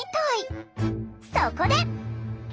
そこで！